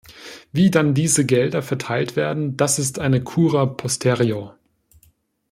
Wie dann diese Gelder verteilt werden, das ist eine cura posterior .